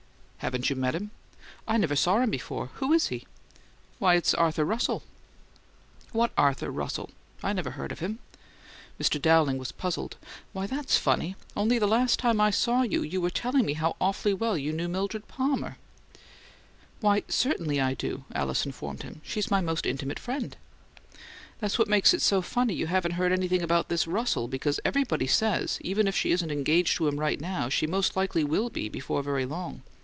"Haven't you met him?" "I never saw him before. Who is he?" "Why, it's this Arthur Russell." "What Arthur Russell? I never heard of him." Mr. Dowling was puzzled. "Why, THAT'S funny! Only the last time I saw you, you were telling me how awfully well you knew Mildred Palmer." "Why, certainly I do," Alice informed him. "She's my most intimate friend." "That's what makes it seem so funny you haven't heard anything about this Russell, because everybody says even if she isn't engaged to him right now, she most likely will be before very long.